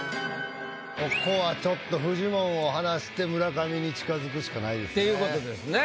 ここはちょっとフジモンを離して村上に近づくしかないですね。っていうことですね。